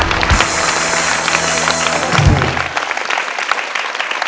ครับ